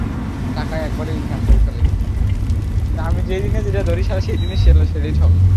তিনি সারাওয়াক জাদুঘরের কিউরেটর হিসেবে দায়িত্ব পালন করেন।